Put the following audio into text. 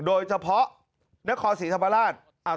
โดยเฉพาะนครศรีธรรมราช